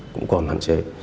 cũng còn hạn chế